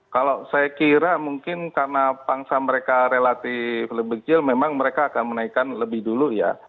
kalau saya kira mungkin karena pangsa mereka relatif lebih kecil memang mereka akan menaikkan lebih dulu ya